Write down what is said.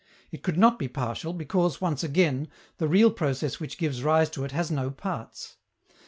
It could not be partial, because, once again, the real process which gives rise to it has no parts.